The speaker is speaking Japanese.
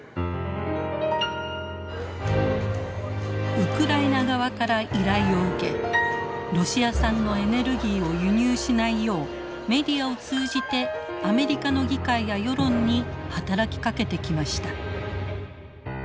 ウクライナ側から依頼を受けロシア産のエネルギーを輸入しないようメディアを通じてアメリカの議会や世論に働きかけてきました。